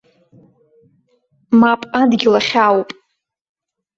Мап, адгьыл ахьаауп.